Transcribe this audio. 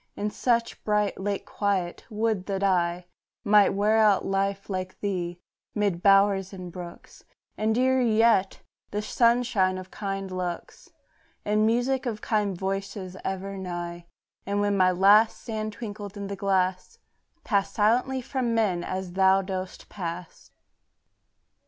In such a bright, late quiet, would that I Might wear out life like thee, mid bowers and brooks, And, dearer yet, the sunshine of kind looks, And music of kind voices ever nigh; And when my last sand twinkled in the glass, Pass silently from men, as thou dost pass.